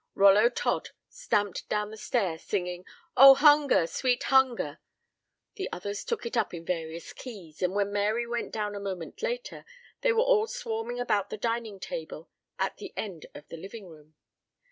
Rollo Todd stamped down the stair singing "Oh, Hunger, Sweet Hunger!" The others took it up in various keys, and when Mary went down a moment later they were all swarming about the dining table at the end of the living room.